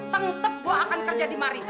teng tep gue akan kerja di mari